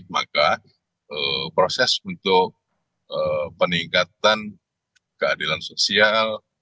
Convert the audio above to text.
maka proses untuk peningkatan keadilan sosial